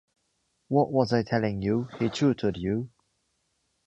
What was I telling you! He tutored you.